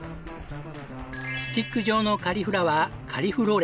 スティック状のカリフラワーカリフローレ。